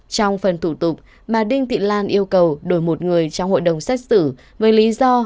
trong phần thủ tục bà đinh thị lan yêu cầu đổi một người trong hội đồng xét xử với lý do